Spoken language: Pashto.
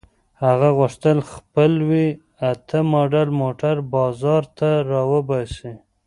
هغه غوښتل خپل وي اته ماډل موټر بازار ته را وباسي.